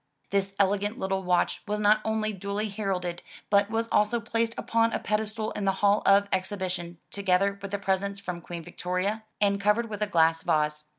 This elegant little watch was not only duly heralded, but was also placed upon a pedestal in the hall of exhibition, together with the presents from Queen Victoria, and covered with a glass vase.